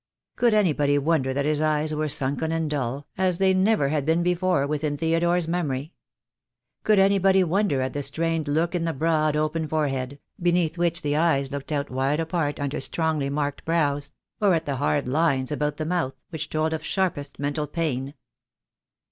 Could anybody wonder that his eyes were sunken and dull, as they never had been before within Theodore's memory? Could any body wonder at the strained look in the broad, open fore head, beneath which the eyes looked out wide apart under strongly marked brows; or at the hard lines about the mouth, which told of sharpest mental pain?